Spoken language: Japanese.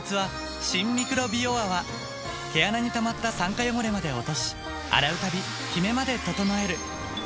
その秘密は毛穴にたまった酸化汚れまで落とし洗うたびキメまで整えるＮＥＷ！